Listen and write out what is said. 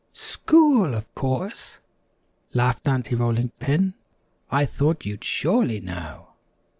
"School, of course," laughed Aunty Rolling Pin; "I thought you'd surely know."